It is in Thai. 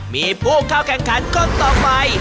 มีผู้เข้าแข่งขันคนต่อไป